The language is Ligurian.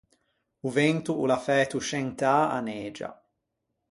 O vento o l’à fæto scentâ a negia.